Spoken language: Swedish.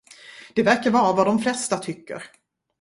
Det verkar vara vad de flesta tycker.